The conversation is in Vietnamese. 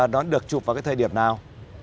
nó được chụp vào cái thời điểm nào